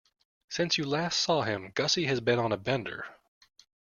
Since you last saw him, Gussie has been on a bender.